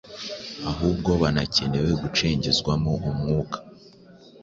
ahubwo banakeneye gucengezwamo umwuka